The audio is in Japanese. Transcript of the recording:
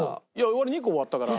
俺２個終わったから。